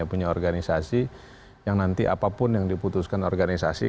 punya organisasi yang nanti apapun yang diputuskan organisasi